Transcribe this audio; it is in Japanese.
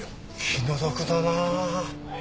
気の毒だなあ。